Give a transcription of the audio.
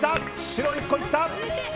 白１個いった！